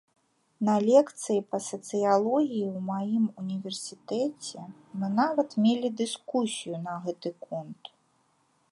На лекцыі па сацыялогіі ў маім універсітэце мы нават мелі дыскусію на гэты конт.